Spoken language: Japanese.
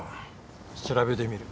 調べてみる。